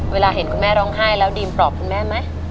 เห็นคุณแม่ร้องไห้แล้วดีมปลอบคุณแม่ไหม